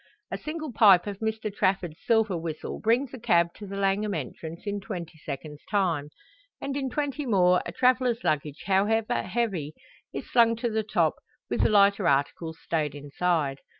A single pipe of Mr Trafford's silver whistle brings a cab to the Langham entrance in twenty seconds time; and in twenty more a traveller's luggage however heavy is slung to the top, with the lighter articles stowed inside.